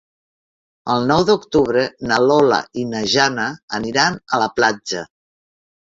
El nou d'octubre na Lola i na Jana aniran a la platja.